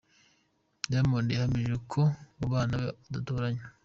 Diamond yahamije ko mu bana be adatoranya.